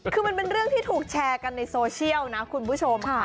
คือมันเป็นเรื่องที่ถูกแชร์กันในโซเชียลนะคุณผู้ชมค่ะ